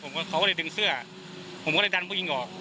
ผมเขาก็เลยดึงเสื้อผมก็เลยดันผู้หญิงออก